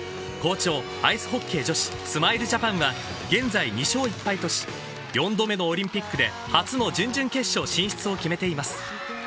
好調、アイスホッケー女子、スマイルジャパンは、現在２勝１敗とし、４度目のオリンピックで初の準々決勝進出を決めています。